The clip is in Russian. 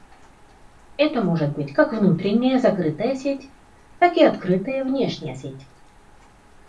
Это может быть как внутренняя закрытая сеть, так и открытая внешняя сеть